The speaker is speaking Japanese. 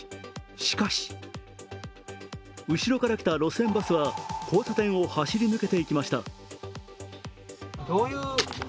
しかし後ろから来た路線バスは交差点を走り抜けていきました。